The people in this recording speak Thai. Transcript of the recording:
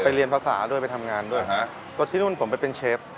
เรียนภาษาด้วยไปทำงานด้วยฮะก็ที่นู่นผมไปเป็นเชฟ